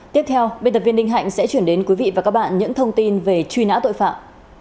tiếp theo biên tập viên ninh hạnh sẽ chuyển đến quý vị và các bạn những thông tin về truy nã tội phạm